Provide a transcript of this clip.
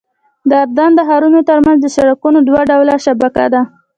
د اردن د ښارونو ترمنځ د سړکونو دوه ډوله شبکه ده.